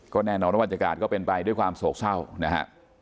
ก็แน่นอนวัจจกราชก็เป็นไปด้วยความโซ่เข้านะคะ